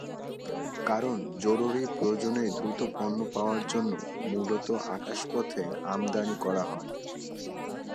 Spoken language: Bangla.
কারণ, জরুরি প্রয়োজনেই দ্রুত পণ্য পাওয়ার জন্য মূলত আকাশপথে আমদানি করা হয়।